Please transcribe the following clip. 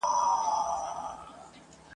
زېری به راسي د پسرلیو !.